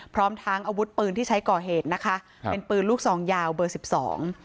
พร้อมทั้งอาวุธปืนที่ใช้ก่อเหตุนะคะครับเป็นปืนลูกซองยาวเบอร์สิบสอง